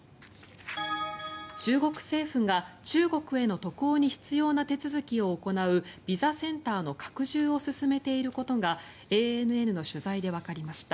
中国政府が中国への渡航に必要な手続きを行うビザセンターの拡充を進めていることがＡＮＮの取材でわかりました。